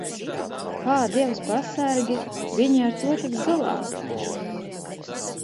Kā, Dievs pasargi, viņi ar to tiks galā?